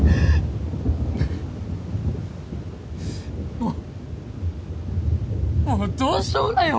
もうもうどうしようもないよ